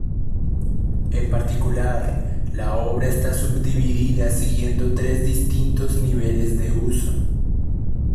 En particular, la obra está subdividida siguiendo tres distintos niveles de uso.